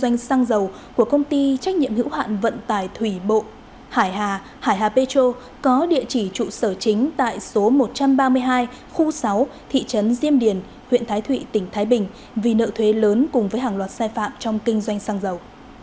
hải hà hải hà petro có địa chỉ trụ sở chính tại số một trăm ba mươi hai khu sáu thị trấn diêm điền huyện thái thụy tỉnh thái bình vì nợ thuế lớn cùng với hàng loạt sai phạm trong kinh doanh xăng dầu